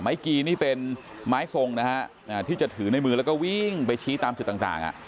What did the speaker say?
ไม้กี่นี่เป็นไม้ทรงนะฮะอ่าที่จะถือในมือแล้วก็วิ้งไปชี้ตามจุดต่างต่างอ่ะ